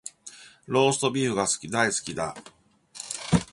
ローストビーフが大好きだ